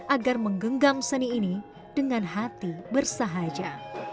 agar menggenggam seni ini dengan hati bersahaja